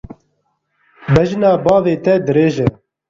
Bejna bavê te dirêj e.